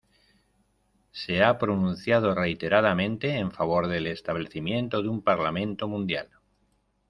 Se ha pronunciado reiteradamente en favor del establecimiento de un parlamento mundial.